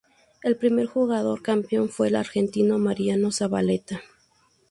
El primer jugador campeón fue el argentino Mariano Zabaleta.